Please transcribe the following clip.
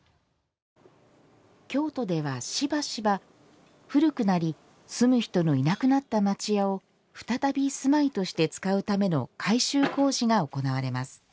京都ではしばしば、古くなり住む人のいなくなった町家を再び住まいとして使うための改修工事が行われます。